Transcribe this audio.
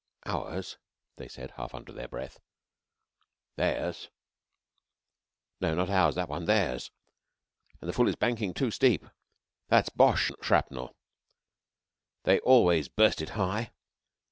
"Ours," they said, half under their breath. "Theirs." "No, not ours that one theirs! ... That fool is banking too steep ... That's Boche shrapnel. They always burst it high.